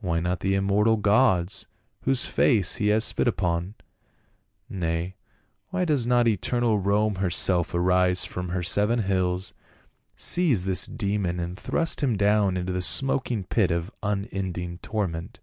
Why not the immortal gods, whose faces he has spit upon ? Nay, why does not eternal Rome herself arise from her seven hills, seize this demon and thrust him down into the smoking pit of unending torment?"